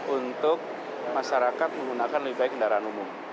untuk masyarakat menggunakan lebih baik kendaraan umum